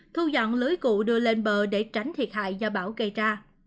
thu dọn lưới cụ đưa lên bờ để tránh thiệt hại do bão gây ra